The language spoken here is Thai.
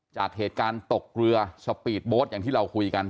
จากเหตุการณ์ตกเรือสปีดโบสต์อย่างที่เราคุยกัน